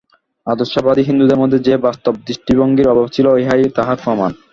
আদর্শবাদী হিন্দুদের মধ্যে যে বাস্তব দৃষ্টিভঙ্গীর অভাব ছিল, ইহাই তাহার প্রমাণ।